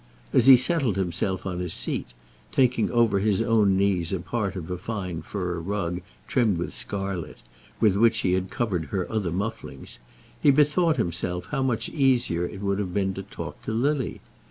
As he settled himself on his seat, taking over his own knees a part of a fine fur rug trimmed with scarlet, with which he had covered her other mufflings, he bethought himself how much easier it would have been to talk to Lily.